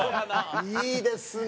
いいですね！